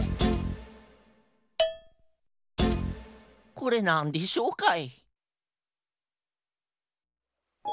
これなんでしょうかい？